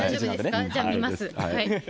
じゃあ見ます。